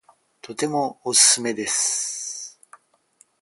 とてもおすすめです